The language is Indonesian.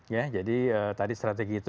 ya jadi tadi strategi itu